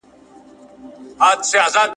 ولاړې اوبه د ناروغیو سبب کیږي.